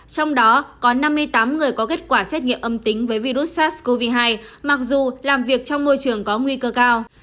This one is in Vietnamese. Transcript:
trong đó có năm mươi tám người có kết quả xét nghiệm âm tính với virus sars cov hai mặc dù làm việc trong môi trường có nguy cơ cao